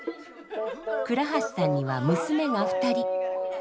鞍橋さんには娘が２人。